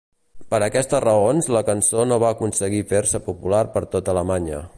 Per aquestes raons, la cançó no va aconseguir fer-se popular per tota Alemanya.